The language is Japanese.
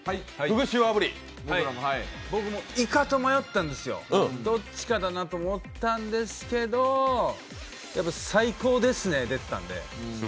イカと迷ったんですよ、どっちかなと思うんですけど、やっぱり「最高ですね」出てたので。